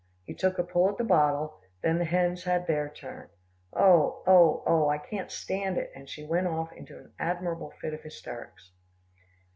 He took a pull at the bottle, then the hens had their turn oh! oh! oh! I can't stand it," and she went off into an admirable fit of hysterics.